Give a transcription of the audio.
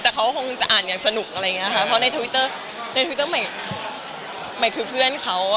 แต่เขาคงจะอ่านอย่างสนุกอะไรอย่างนี้ค่ะเพราะในทวิตเตอร์ในทวิตเตอร์ใหม่คือเพื่อนเขา